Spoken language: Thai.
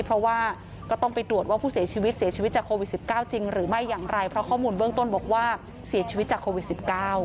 เพราะข้อมูลเบื้องต้นบอกว่าเสียชีวิตจากโควิด๑๙